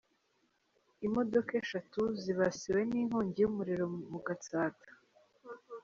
Imodoka eshatu zibasiwe n’inkongi y’umuriro mu Gatsata.